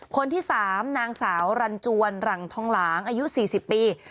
คนที่๓นางสาวรันจวนหลังทองหลางอายุ๔๐ปี